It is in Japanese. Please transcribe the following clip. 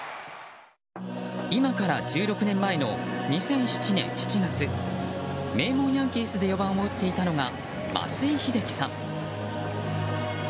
今から１６年前の２００７年７月名門ヤンキースで４番を打っていたのが松井秀喜さん。